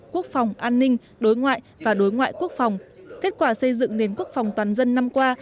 quốc phòng an ninh đối ngoại và đối ngoại quốc phòng kết quả xây dựng nền quốc phòng toàn dân năm qua